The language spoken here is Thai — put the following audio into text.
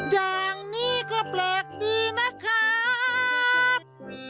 อย่างนี้ก็แปลกดีนะครับ